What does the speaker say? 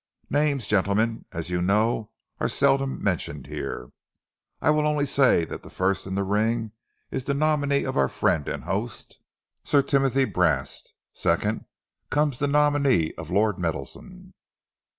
Names, gentlemen, as you know, are seldom mentioned here. I will only say that the first in the ring is the nominee of our friend and host, Sir Timothy Brast; second comes the nominee of Lord Meadowson."